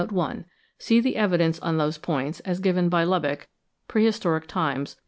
See the evidence on those points, as given by Lubbock, 'Prehistoric Times,' p.